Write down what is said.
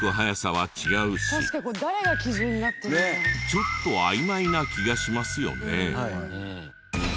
ちょっと曖昧な気がしますよね。